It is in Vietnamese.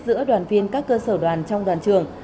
giữa đoàn viên các cơ sở đoàn trong đoàn trường